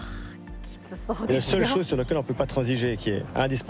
きつそうですよ。